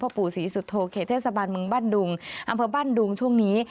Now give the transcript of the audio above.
พระบูศีสุโทเทศบันมึงบ้านดุงอำเพราะบ้านดุงช่วงนี้